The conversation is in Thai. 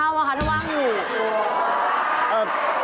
ทำไมไม่ปล่อยเช่าถ้าว่างอยู่